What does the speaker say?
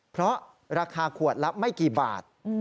เพราะราคาขวดละไม่กี่บาท